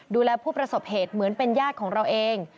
ดูแลผู้ประสบเหตุเหมือนเป็นญาติของเราเอง